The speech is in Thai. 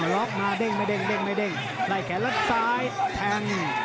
ล็อกมาเด้งไล่แขนละซ้ายแทง